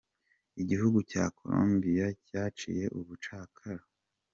Igihugu cya Colombiya cyaciye ubucakara.